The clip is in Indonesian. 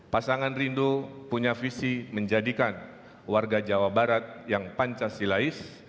pasangan rindu punya visi menjadikan warga jawa barat yang pancasilais